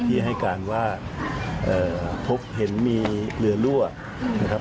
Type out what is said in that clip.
ที่ให้การว่าพบเห็นมีเรือรั่วนะครับ